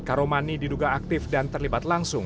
karomani diduga aktif dan terlibat langsung